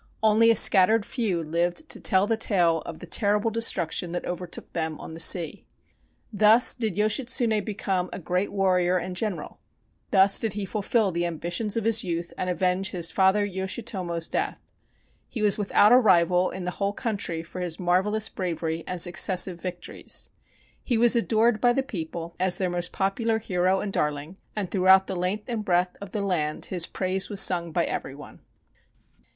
Only a scattered few lived to tell the tale of the terrible destruction that overtook them on the sea. Thus did Yoshitsune become a great warrior and general. Thus did he fulfill the ambitions of his youth and avenge his father Yoshitomo's death. He was without a rival in the whole country for his marvelous bravery and successive victories. He was adored by the people as their most popular hero and darling, and throughout the length and breadth of the land his praise was sung by every one.